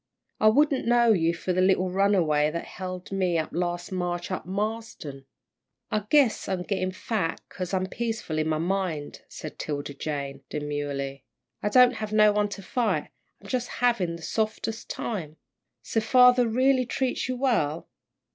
"I wouldn't know you for the little runaway that held me up last March out at Marsden." "I guess I'm gettin' fat 'cause I'm peaceful in my mind," said 'Tilda Jane, demurely; "I don't have no one to fight. I'm jus' havin' the softest time!" "So father really treats you well?"